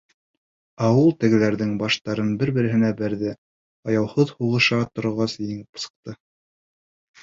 Ә ул тегеләрҙең баштарын бер-береһенә бәрҙе, аяуһыҙ һуғыша торғас, еңеп сыҡты!